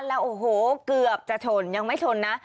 แล้วโอ้โหเกือบจะชนยังไม่ชนนะ